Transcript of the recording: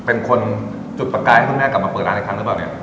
เป็นคนจุดประกายให้คุณแม่กลับมาเปิดร้านอีกครั้งหรือเปล่าเนี่ย